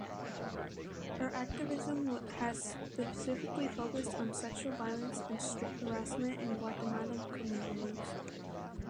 Her activism has specifically focused on sexual violence and street harassment in Guatemalan communities.